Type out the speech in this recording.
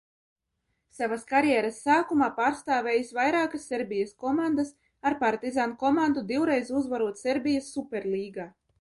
"Savas karjeras sākumā pārstāvējis vairākas Serbijas komandas, ar "Partizan" komandu divreiz uzvarot Serbijas Superlīgā."